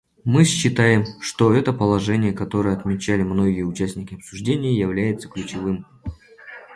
Мы считаем, что это положение, которое отмечали многие участники обсуждения, является ключевым.